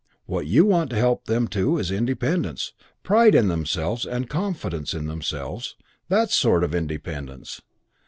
What you want to help them to is independence, pride in themselves and confidence in themselves that sort of independence.